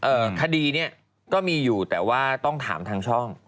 คดีเนี้ยก็มีอยู่แต่ว่าต้องถามทางช่อง